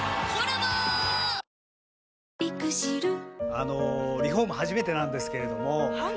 あのリフォーム初めてなんですけれどもはい。